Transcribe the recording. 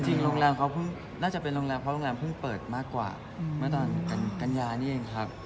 จริงโรงแรมเขาน่าจะเป็นรบรองเรียบเพลิงปิดมากกว่าเมื่อถันกันกัลยาร์นี่เองครับ